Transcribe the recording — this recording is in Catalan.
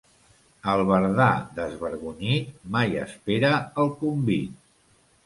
Albardà desvergonyit mai espera el convit.